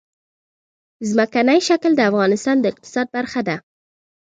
ځمکنی شکل د افغانستان د اقتصاد برخه ده.